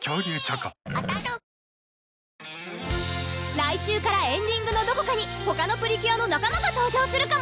来週からエンディングのどこかにほかのプリキュアの仲間が登場するかも！